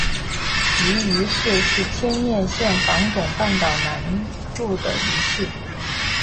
夷隅市是千叶县房总半岛东南部的一市。